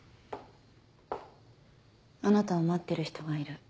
あなたを待ってる人がいる。